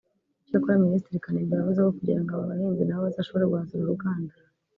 Icyakora Minisitiri Kanimba yavuze ko kugira ngo aba bahinzi nabo bazashobore guhaza uru ruganda